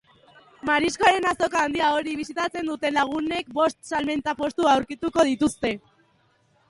Mariskoaren azoka handi hori bisitatzen duten lagunek bost salmenta-postu aurkituko dituzte.